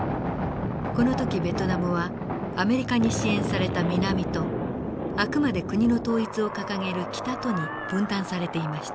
この時ベトナムはアメリカに支援された南とあくまで国の統一を掲げる北とに分断されていました。